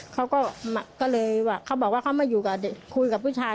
เขาก็เลยว่าเขาบอกว่าเขามาอยู่กับเด็กคุยกับผู้ชาย